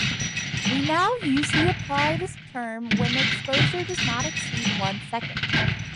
We now usually apply this term when the exposure does not exceed one second.